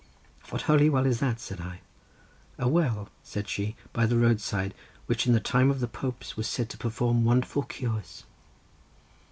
"What holy well is that?" said I. "A well," said she, "by the road's side, which in the time of the popes was said to perform wonderful cures."